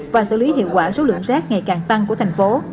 và xử lý hiệu quả số lượng rác ngày càng tăng của thành phố